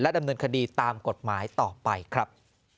ดำเนินคดีตามกฎหมายต่อไปครับ